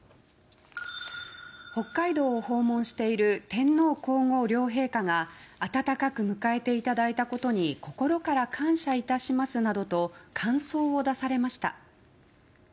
北海道を訪問している天皇・皇后両陛下が温かく迎えていただいたことに心から感謝いたしますなどと感想を出されました。